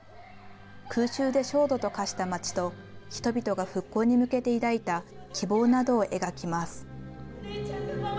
空襲で焦土と化した街と、人々が復興に向けて抱いた希望などを描きます。